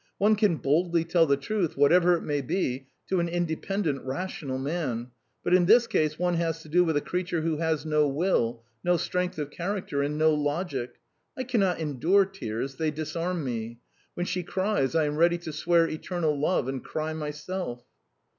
One can boldly tell the truth, whatever it may be, to an independent, rational man; but in this case one has to do with a creature who has no will, no strength of character, and no logic. I cannot endure tears; they disarm me. When she cries, I am ready to swear eternal love and cry myself."